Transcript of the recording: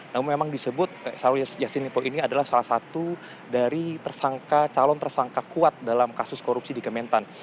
namun memang disebut syahrul yass yassin limpo ini adalah salah satu dari calon tersangka kuat dalam kasus korupsi di kementan